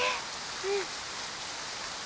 うん。